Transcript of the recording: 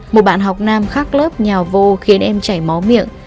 một bạn học nam khác lớp nhà vô khiến em chảy máu miệng